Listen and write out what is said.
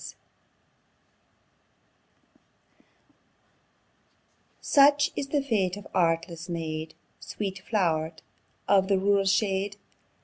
Such is the fate of artless maid, Sweet flow'ret of the rural shade!